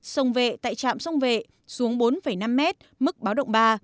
sông vệ tại trạm sông vệ xuống bốn năm m mức báo động ba